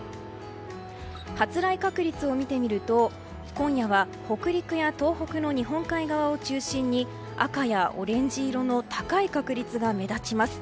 発雷確率を見てみると今夜は北陸や東北の日本海側を中心に赤やオレンジ色の高い確率が目立ちます。